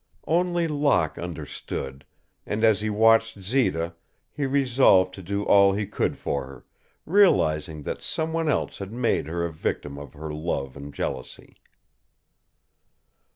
Only Locke understood, and as he watched Zita he resolved to do all he could for her, realizing that some one else had made her a victim of her love and jealousy.